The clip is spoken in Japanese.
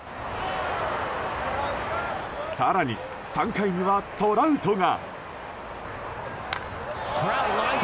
更に、３回にはトラウトが。